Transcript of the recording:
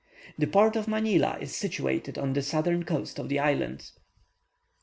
The port of Manilla is situated on the southern coast of the island.